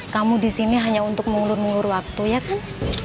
kamu disini hanya untuk mengulur mulur waktu ya kan